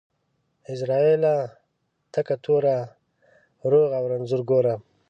عزرائيله تکه توره ، روغ او رنځور گوره.